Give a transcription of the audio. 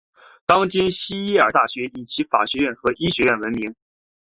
当今锡耶纳大学以其法学院和医学院闻名。